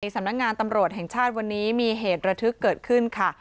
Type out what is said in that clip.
สำนักงานตำรวจแห่งชาติวันนี้มีเหตุระทึกเกิดขึ้นค่ะ